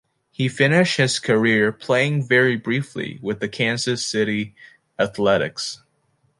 He finished his career playing very briefly with the Kansas City Athletics.